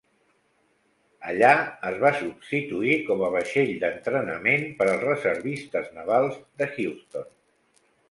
Allà, es va substituir com a vaixell d'entrenament per als reservistes navals de Houston.